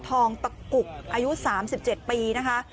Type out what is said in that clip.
ทองตะกุกอายุ๓๗ปีนะคะ